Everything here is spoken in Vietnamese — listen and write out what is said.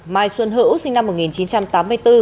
mai xuân hữu sinh năm một nghìn chín trăm tám mươi bốn